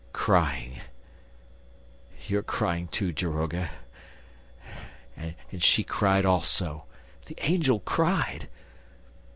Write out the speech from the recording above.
crying. You're crying, too, daroga ... and she cried also ... the angel cried!